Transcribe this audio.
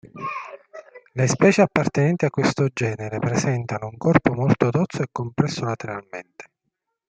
Le specie appartenenti a questo genere presentano un corpo molto tozzo e compresso lateralmente.